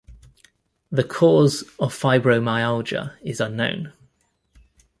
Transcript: The cause of fibromyalgia is unknown.